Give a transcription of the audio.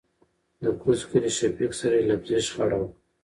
دکوز کلي شفيق سره يې لفظي شخړه وه .